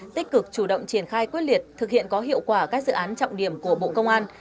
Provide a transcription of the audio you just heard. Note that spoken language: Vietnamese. tích cực chủ động triển khai quyết liệt thực hiện có hiệu quả các dự án trọng điểm của bộ công an